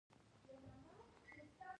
د اوسپنې اتوموسفیري مقدار وروسته زیات شوی.